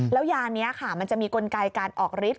แล้วยานี้ค่ะมันจะมีกลไกการออกฤทธิ